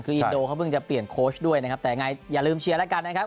คืออินโดเขาเพิ่งจะเปลี่ยนโค้ชด้วยนะครับแต่ยังไงอย่าลืมเชียร์แล้วกันนะครับ